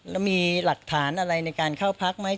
แล้วมีหลักฐานอะไรในการเข้าพักไหม